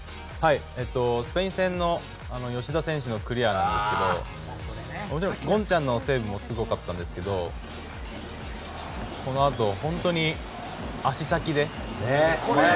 スペイン戦の吉田選手のクリアなんですけど権ちゃんのセーブもすごかったんですけど本当に足先で。